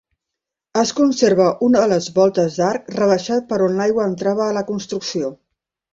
Es conserva una de les voltes d'arc rebaixat per on l'aigua entrava a la construcció.